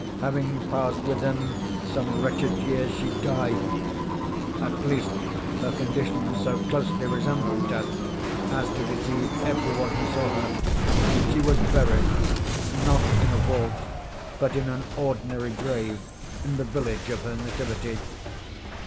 Having passed with him some wretched years, she died—at least her condition so closely resembled death as to deceive every one who saw her. She was buried——not in a vault, but in an ordinary grave in the village of her nativity.